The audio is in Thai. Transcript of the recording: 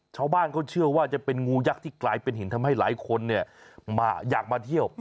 ชาวบ้านเขาเชื่อว่าจะเป็นงูยักษ์ที่กลายเป็นหินทำให้หลายคนอยากมาเที่ยว